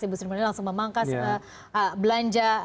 ibu sri mulyani langsung memangkas belanja